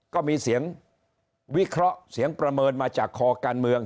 ก็มีเสียงวิเคราะห์เสียงประเมินมาจากคอการเมือง